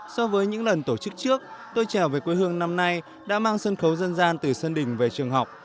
so với những lần tổ chức trước tôi trở về quê hương năm nay đã mang sân khấu dân gian từ sơn đình về trường học